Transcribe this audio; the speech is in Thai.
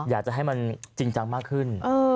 อยากจะให้มันจริงจังมากขึ้น